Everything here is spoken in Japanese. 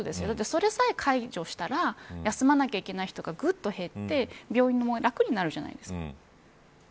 それさえ解除したら休まなければいけない人がぐっと減って病院も楽になるじゃないですか。